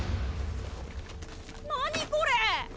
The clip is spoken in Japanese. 何これ！